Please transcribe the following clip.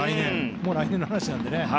もう来年の話なのでね。